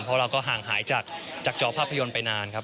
เพราะเราก็ห่างหายจากจอภาพยนตร์ไปนานครับ